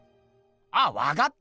あっわかった！